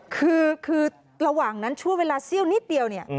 คือระหว่างนั้นช่วงเวลาเซี่ยวนิดเดียวเนี่ย